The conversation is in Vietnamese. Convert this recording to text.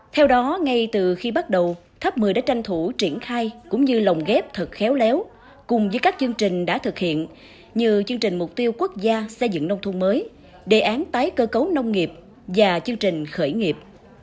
theo đó ngay từ khi bắt đầu tháp mười đã tranh thủ triển khai cũng như lồng ghép thật khéo léo cùng với các chương trình đã thực hiện như chương trình mục tiêu quốc gia xây dựng nông thôn mới đề án tái cơ cấu nông nghiệp và chương trình khởi nghiệp